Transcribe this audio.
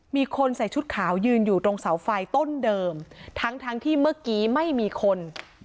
มีคนใส่ชุดขาวยืนอยู่ตรงเสาไฟต้นเดิมทั้งทั้งที่เมื่อกี้ไม่มีคน